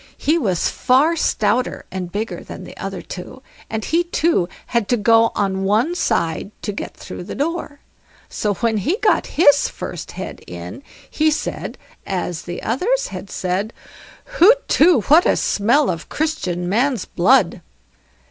He was far stouter and bigger than the other two, and he too had to go on one side to get through the door. So when he got his first head in, he said as the others had said: "HUTETU what a smell of Christian man's blood!